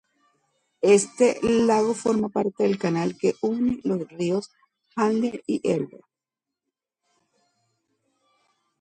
Este lago forma parte del canal que une los ríos Havel y Elba.